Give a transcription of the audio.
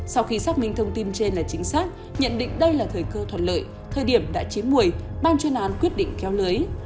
sau khi xác minh thông tin trên là chính xác nhận định đây là thời cơ thuận lợi thời điểm đã chín mùi ban chuyên án quyết định kéo lưới